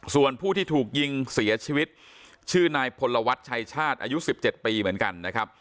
ส่วนผู้ที่ถูกยิงเสียชีวิตชื่อนายพลวัฒน์ชัยชาติอายุ๑๗ปีเหมือนกันนะครับ